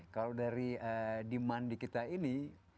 kalau dari demand di kita ini